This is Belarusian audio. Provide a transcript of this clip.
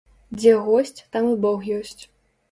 Дзе госць, там і бог ёсць.